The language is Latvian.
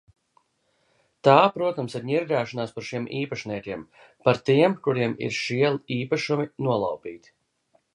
Tā, protams, ir ņirgāšanās par šiem īpašniekiem, par tiem, kuriem ir šie īpašumi nolaupīti.